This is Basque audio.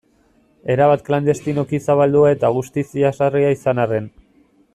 Erabat klandestinoki zabaldua eta guztiz jazarria izan arren.